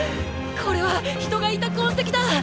これは人がいた痕跡だ！